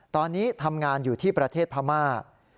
ตอนนี้ทำงานอยู่ที่ประเทศพม่า